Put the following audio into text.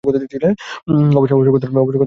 অবশ্য কথাটা মানুষের ক্ষেত্রেও বলা যায়।